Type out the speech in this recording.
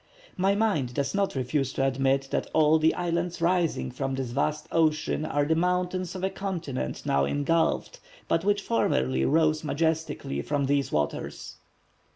My mind does not refuse to admit that all the islands rising from this vast ocean are the mountains of a continent now engulphed, but which formerly rose majestically from these waters."